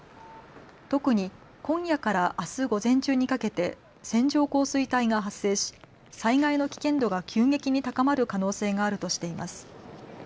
特に今夜からあす午前中にかけて線状降水帯が発生し災害の危険度が急激に高まる可能性があるとしています。